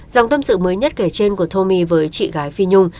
dòng tâm sự mới nhất kể trên của thomi với chị gái phi nhung